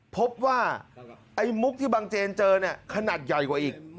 พบว่าไอ้มุกที่บางเจนเจอเนี่ยขนาดใหญ่กว่าอีก